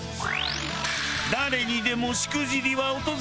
誰にでもしくじりは訪れます。